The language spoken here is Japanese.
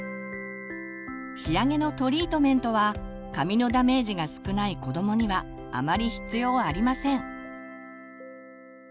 仕上げのトリートメントは髪のダメージが少ない子どもにはあまり必要ありません。